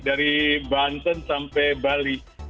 dari banten sampai bali